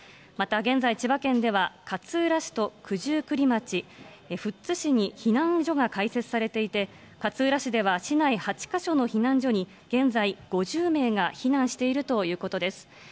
また現在、千葉県では、勝浦市と九十九里町、富津市に避難所が開設されていて、勝浦市では市内８か所の避難所に現在、５０名が避難しているということです。